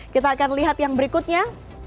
kita akan lihat yang berikutnya